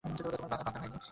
তোমার বাগদান হয় নি?